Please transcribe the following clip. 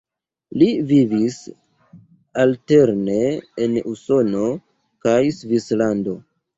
Li vivis alterne en Usono kaj Svislando.